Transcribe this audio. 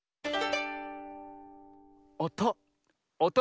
おと。